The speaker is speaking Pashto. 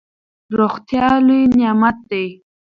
روغتیا لوی نعمت دئ.